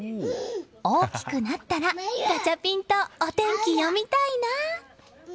大きくなったガチャピンとお天気読みたいな！